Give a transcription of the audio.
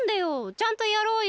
ちゃんとやろうよ。